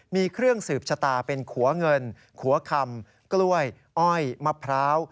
มีเครื่องสืบชะตาเป็นขัวเงินขัวคำกล้วยอ้อยมะพร้าว